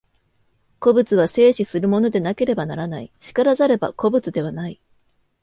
個物は生死するものでなければならない、然らざれば個物ではない。